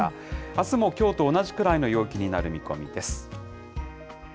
あすもきょうと同じくらいの陽気になる見込みです。